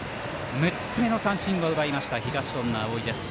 ６つ目の三振を奪いました東恩納蒼です。